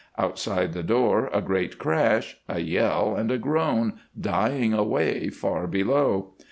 Outside the door a great crash, a yell, and a groan dying away far below.